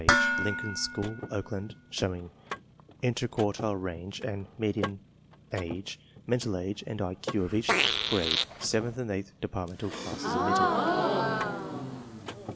Lincoln School, Oakland; Showing Interquartile Range and Median Age, Mental Age and IQ of Each Grade (7th and 8th Departmental Classes Omitted).